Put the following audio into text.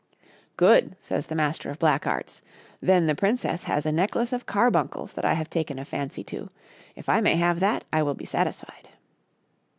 " Good !*' says the Master of Black Arts ;" then the princess has a neck lace of carbuncles that I have taken a fancy to ; if I may have that I will be satisfied."